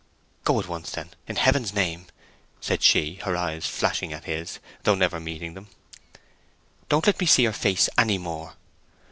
"Go at once then, in Heaven's name!" said she, her eyes flashing at his, though never meeting them. "Don't let me see your face any more."